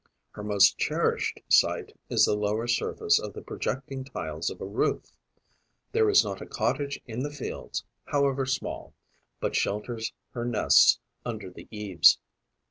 Her most cherished site is the lower surface of the projecting tiles of a roof. There is not a cottage in the fields, however small, but shelters her nests under the eaves.